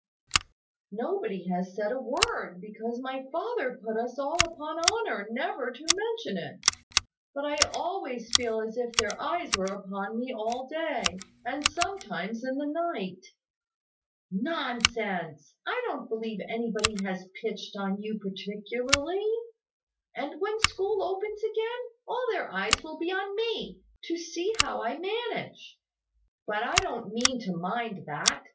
"Nobody has said a word, because my father put us all upon honour never to mention it: but I always feel as if all their eyes were upon me all day, and sometimes in the night." "Nonsense! I don't believe anybody has pitched on you particularly. And when school opens again, all their eyes will be on me, to see how I manage. But I don't mean to mind that.